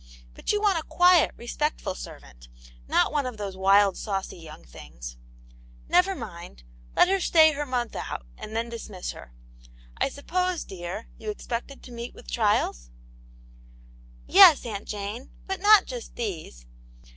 But you want a quiet, respectful servant, not one of tVvese wild^ saucy Aunt pane's Hero. . 103 young things. Never mind ; let her stay her month out, and then dismiss her. I suppose, dear, you expected to meet with trials V* "Yes, Aunt Jane, but not just these.